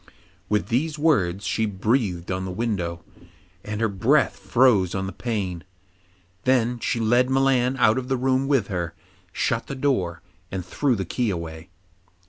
With these words she breathed on the window, and her breath froze on the pane. Then she led Milan out of the room with her, shut the door, and threw the key away.